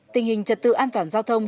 tình hình trật tự an toàn giao thông